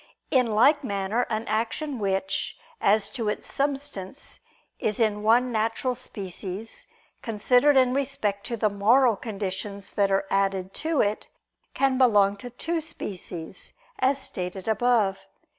In like manner an action which, as to its substance, is in one natural species, considered in respect to the moral conditions that are added to it, can belong to two species, as stated above (Q.